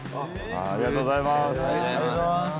ありがとうございます。